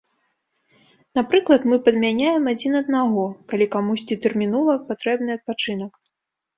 Напрыклад, мы падмяняем адзін аднаго, калі камусьці тэрмінова патрэбны адпачынак.